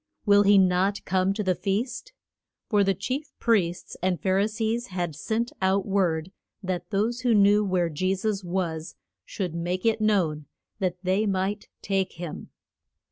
will he not come to the feast? For the chief priests and Phar i sees had sent out word that those who knew where Je sus was should make it known, that they might take him.